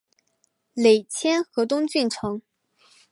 累迁河东郡丞。